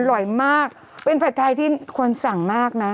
อร่อยมากเป็นผัดไทยที่ควรสั่งมากนะ